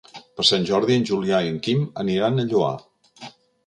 Per Sant Jordi en Julià i en Quim aniran al Lloar.